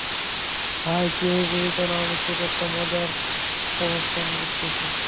হায়, কেহই বুঝিত না, আমি খুব একটা মজার প্রহসন লিখিতেছি।